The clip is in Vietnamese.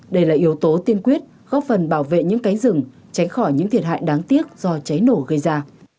đây là yếu tố tiên quyết góp phần bảo vệ những cánh rừng tránh khỏi những thiệt hại đáng tiếc do cháy nổ gây ra